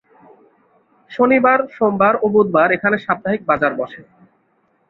শনিবার, সোমবার ও বুধবার এখানে সাপ্তাহিক বাজার বসে।